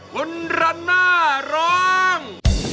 คุณรันน่าร้อง